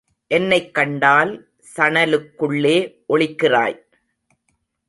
என்னைக் கண்டால் சணலுக்குள்ளே ஒளிக்கிறாய்?